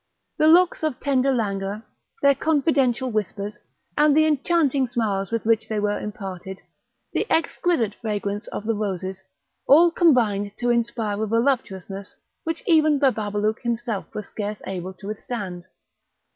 The looks of tender languor, their confidential whispers, and the enchanting smiles with which they were imparted, the exquisite fragrance of the roses, all combined to inspire a voluptuousness, which even Bababalouk himself was scarce able to withstand.